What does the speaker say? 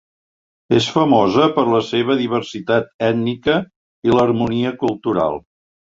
És famosa per la seva diversitat ètnica i l'harmonia cultural.